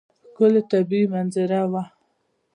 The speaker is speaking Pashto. ښکلې طبیعي منظره وه.